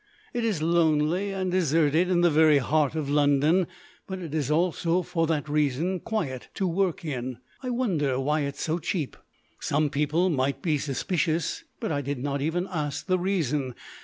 It is lonely and deserted in the very heart of London, but it is also for that reason quiet to work in. I wonder why it is so cheap. Some people might be suspicious, but I did not even ask the reason.